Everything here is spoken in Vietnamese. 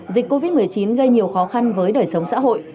dịch covid một mươi chín gây nhiều khó khăn với đời sống xã hội